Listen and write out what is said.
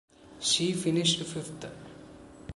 She finished fifth.